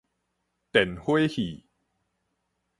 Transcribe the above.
電火戲